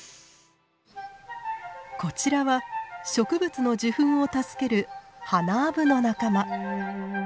こちらは植物の受粉を助けるハナアブの仲間。